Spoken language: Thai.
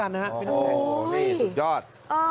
พี่แนลนี่สุดยอด